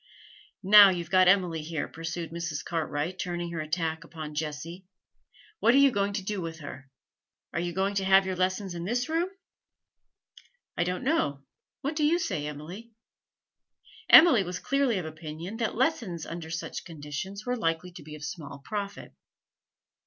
'Now you've got Emily here,' pursued Mrs. Cartwright, turning her attack upon Jessie, 'what are you going to do with her? Are you going to have your lessons in this room?' 'I don't know. What do you say, Emily?' Emily was clearly of Opinion that lessons under such conditions were likely to be of small profit.